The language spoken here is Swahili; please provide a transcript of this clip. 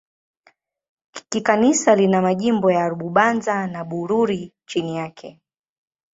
Kikanisa lina majimbo ya Bubanza na Bururi chini yake.